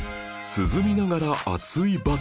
涼みながら熱いバトル